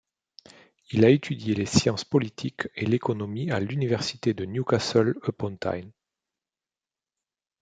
Il a étudié les sciences politiques et l'économie à l'Université de Newcastle upon Tyne.